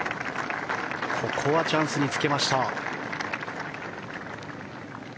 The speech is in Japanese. ここはチャンスにつけました。